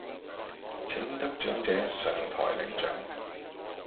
請得奬者上台領奬